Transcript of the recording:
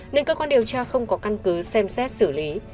nên cơ quan điều tra không có căn cứ xem xét xử lý